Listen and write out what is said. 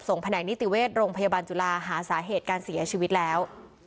แผนกนิติเวชโรงพยาบาลจุฬาหาสาเหตุการเสียชีวิตแล้ว